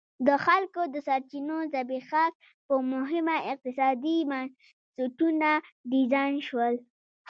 د خلکو د سرچینو زبېښاک په موخه اقتصادي بنسټونه ډیزاین شول.